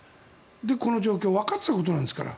この状況わかってたことなんですから。